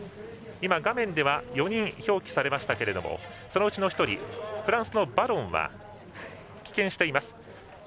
画面では４人表記されましたがそのうちの１人フランスのバロンは棄権しています。